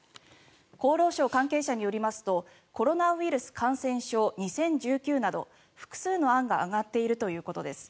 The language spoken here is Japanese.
厚労省関係者によりますとコロナウイルス感染症２０１９など複数の案が挙がっているということです。